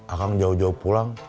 akang jauh jauh pulang